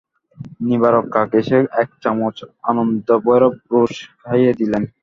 নিবারণ কাক এসে এক চামচ আনন্দভৈরব রুস খাইয়ে দিলেন।